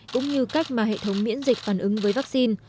cũng như cách mà hệ thống miễn dịch phản ứng với vắc xin